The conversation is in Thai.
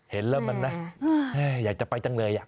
เห็นแล้วมันนะอยากจะไปจังเลย